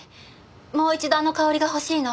もう一度あの香りが欲しいの。